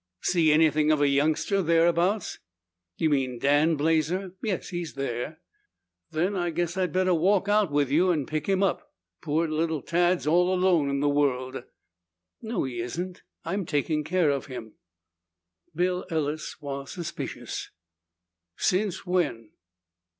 "See anything of a youngster thereabouts?" "You mean Dan Blazer? Yes, he's there." "Then I guess I'd better walk out with you and pick him up. Poor little tad's all alone in the world." "No, he isn't. I'm taking care of him." Bill Ellis was suspicious. "Since when?"